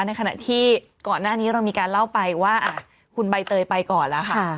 ในขณะที่ก่อนหน้านี้เรามีการเล่าไปว่าคุณใบเตยไปก่อนแล้วค่ะ